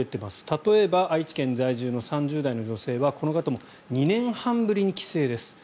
例えば愛知県在住の３０代の女性はこの方も２年半ぶりに帰省です。